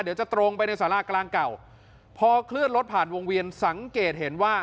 เดี๋ยวจะตรงไปในสารากลางเก่าพอเคลื่อนรถผ่านวงเวียนสังเกตเห็นว่า